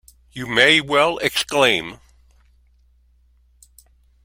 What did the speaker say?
You may well exclaim.